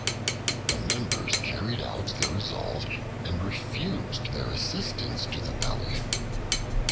The Members carried out their resolve and refused their assistance to the Belly.